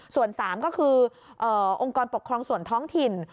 ส่วน๓ก็คือองค์กรปกครองส่วนท้องถิ่น